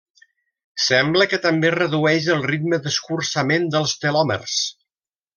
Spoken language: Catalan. Sembla que també redueix el ritme d'escurçament dels telòmers.